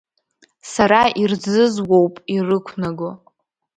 Сара ирзызуоуп ирықәнаго.